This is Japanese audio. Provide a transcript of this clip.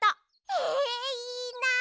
えいいなあ！